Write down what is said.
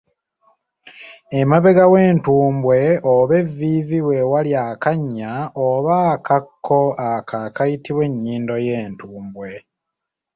Emabega w’entumbwe oba evviivi we wali akannya oba akakko ako akayitibwa ennyindo y’entumbwe.